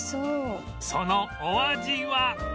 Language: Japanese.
そのお味は？